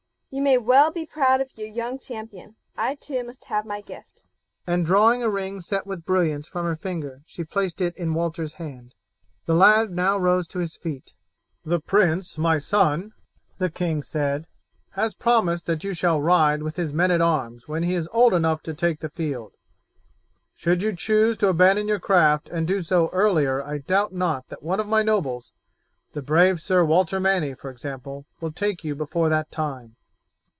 "You may well be proud of your young champion. I too must have my gift," and drawing a ring set with brilliants from her finger she placed it in Walter's hand. The lad now rose to his feet. "The prince my son," the king said, "has promised that you shall ride with his men at arms when he is old enough to take the field. Should you choose to abandon your craft and do so earlier I doubt not that one of my nobles, the brave Sir Walter Manny, for example, will take you before that time."